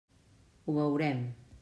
Ho veurem.